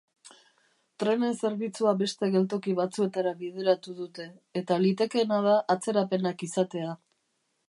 Trenen zerbitzua beste geltoki batzuetara bideratu dute, eta litekeena da atzerapenak izatea.